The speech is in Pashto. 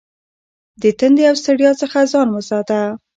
د تندې او ستړیا څخه ځان وساته.